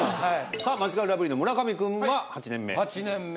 さあマヂカルラブリーの村上君が８年目。